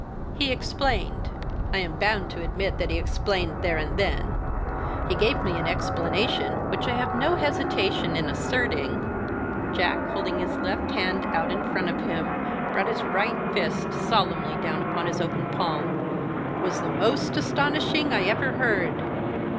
He explained, I am bound to admit that he explained there and then. He gave me an explanation which I have no hesitation in asserting" Jack, holding his left hand out in front of him, brought his right list solemnly down upon his open palm "was the most astonishing I ever heard.